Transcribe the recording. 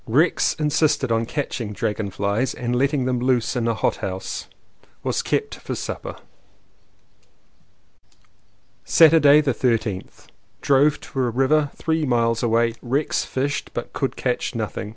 Rex insisted on catching dragon flies and letting them loose in a hot house. Was kept for supper. Saturday the 13th. Drove to a river three miles away. Rex fished, but could catch nothing.